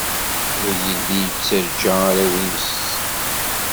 Ur yelli yettajja arraw-nnes.